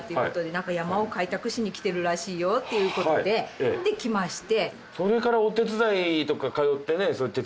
なんか山を開拓しに来てるらしいよっていう事で。で来まして。